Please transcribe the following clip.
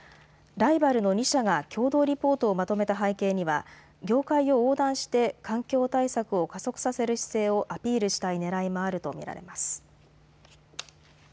ライバルの２社が共同リポートをまとめた背景には業界を横断して環境対策を加速させる姿勢をアピールしたいねらいもあると見られます。